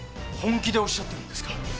本気でおっしゃってるんですか？